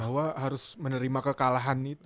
bahwa harus menerima kekalahan itu